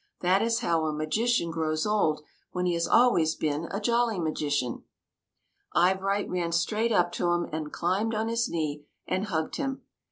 That is how a magician grows old when he has always been a jolly magician. Eyebright ran straight up to him and climbed on his knee and hugged him.